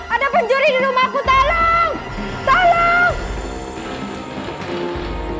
ada pencuri di rumahku tolong